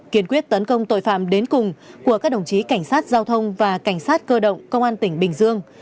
kiên quyết tấn công tội phạm đến cùng của các đồng chí cảnh sát giao thông và cảnh sát cơ động công an tỉnh bình dương